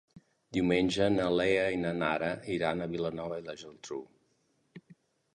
Diumenge na Lea i na Nara iran a Vilanova i la Geltrú.